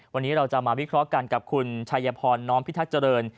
วันนี้เราจะมาวิเคราะห์กันกับคุณชัยพรน้อมพิทักษ์เจริญ